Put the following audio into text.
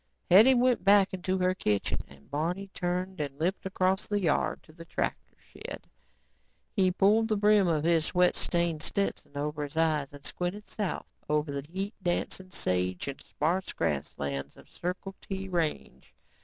Hetty went back into her kitchen and Barney turned and limped across the yard to the tractor shed. He pulled the brim of his sweat stained Stetson over his eyes and squinted south over the heat dancing sage and sparse grasslands of Circle T range.